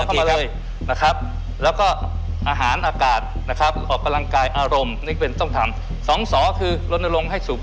ขึ้นแล้วนะครับ